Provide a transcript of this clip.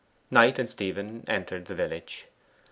Knight and Stephen entered the village.